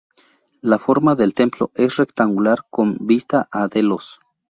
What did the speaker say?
La forma del templo es rectangular con vista a Delos.